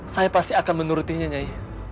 saya pasti akan menurutinya nyay